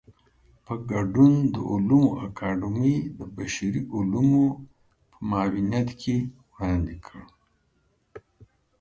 په ګډون د علومو اکاډمۍ د بشري علومو په معاونيت کې وړاندې کړ.